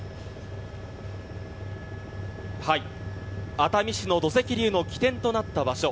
熱海市の土石流の起点となった場所